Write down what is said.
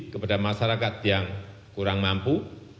kepada masyarakat yang kurang mampu